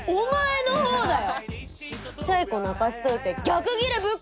ちっちゃい子泣かしといて。